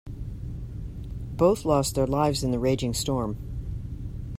Both lost their lives in the raging storm.